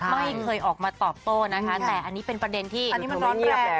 ไม่เคยออกมาตอบโต้นะคะแต่อันนี้เป็นประเด็นที่อันนี้มันร้อนแรง